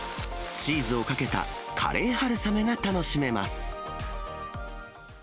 チーズをかけたカレー春雨が楽しめます。